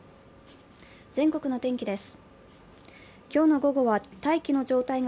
全国の天気です。